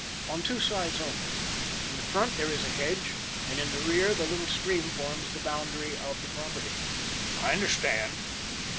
"On two sides only. In the front there is a hedge and in the rear the little stream forms the boundary of the property." "I understand."